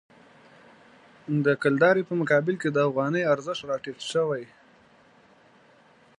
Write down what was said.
د کلدارې په مقابل کې د افغانۍ ارزښت راټیټ شوی.